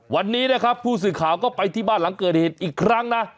วันนี้นะครับผู้สื่อข่าวก็ไปที่บ้านหลังเกิดเหตุอีกครั้งนะ